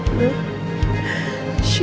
lu udah ngapain